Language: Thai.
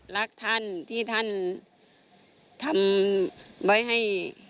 รักท่านที่ท่านทำไว้ให้